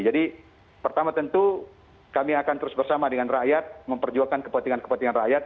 jadi pertama tentu kami akan terus bersama dengan rakyat memperjuangkan kepentingan kepentingan rakyat